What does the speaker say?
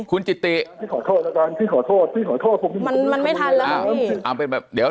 คุณจิตติมันไม่ทันแล้วนี่